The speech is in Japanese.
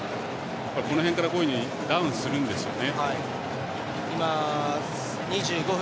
この辺から、こういうふうにダウンするんですよね。